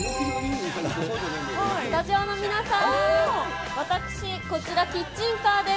スタジオの皆さん、私、こちらキッチンカーです。